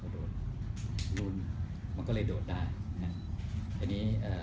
โดดฮัฮแล้วโดดได้